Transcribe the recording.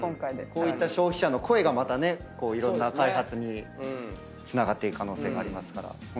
こういった消費者の声がまたねいろんな開発につながっていく可能性があるからホントに楽しみですよね。